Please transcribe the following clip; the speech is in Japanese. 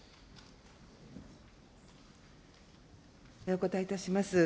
お答えいたします。